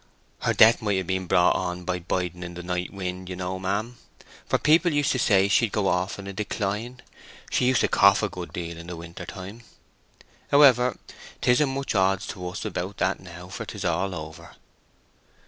Her death might have been brought on by biding in the night wind, you know, ma'am; for people used to say she'd go off in a decline: she used to cough a good deal in winter time. However, 'tisn't much odds to us about that now, for 'tis all over."